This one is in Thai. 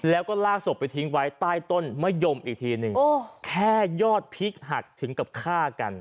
แล้วก็ลากศพไปทิ้งไว้ใต้ต้นมะยมอีกทีหนึ่งแค่ยอดพริกหักถึงกับฆ่ากัน